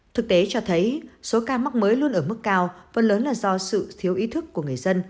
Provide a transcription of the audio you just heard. thực tế cho thấy số ca mắc mới luôn ở mức cao phần lớn là do sự thiếu ý thức của người dân